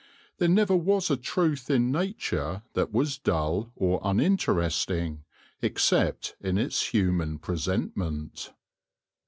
There never was a truth in Nature that was dull or uninterest ing, except in its human presentment.